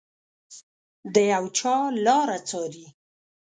د یو چا لاره څاري